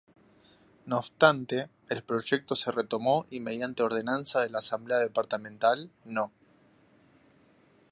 No obstante, el proyecto se retomó y mediante Ordenanza de la asamblea Departamental No.